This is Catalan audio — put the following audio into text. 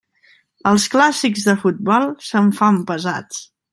Els clàssics de futbol se'm fan pesats.